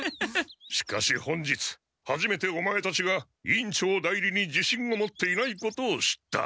しかし本日はじめてオマエたちが委員長代理にじしんを持っていないことを知った。